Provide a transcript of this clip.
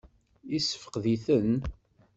Yessefqed-iten?